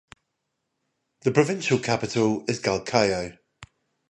The provincial capital is Galkayo.